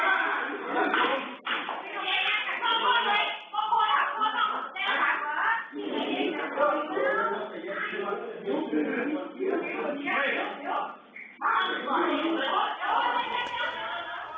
ไม่เอ๊ะ